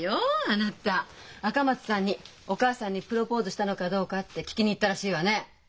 あなた赤松さんにお母さんにプロポーズしたのかどうかって聞きに行ったらしいわね。